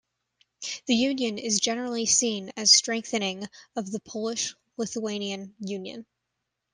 The union is generally seen as strengthening of the Polish-Lithuanian union.